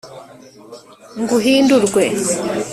ngo uhindurwe